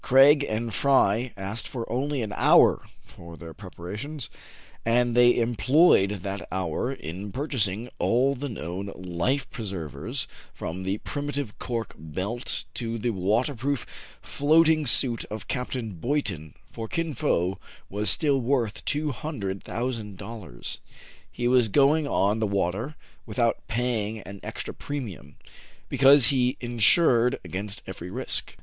Craig and Fry asked for only an hour for their preparations; and they employed that hour in purchasing all the known life preservers, from the primitive cork belt to the waterproof floating suit of Capt. Boyton, for Kin Fo was still worth two hundred thousand dollars. He was going on the water without paying an extra premium, because he insured against every risk.